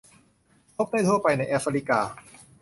พบได้ทั่วไปในแอฟริกา